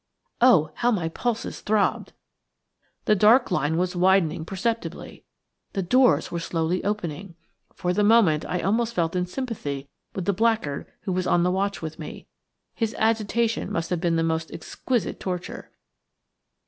Oh, how my pulses throbbed! That dark line was widening perceptibly. The doors were slowly opening! For the moment I almost felt in sympathy with the blackguard who was on the watch with me. His agitation must have been the most exquisite torture.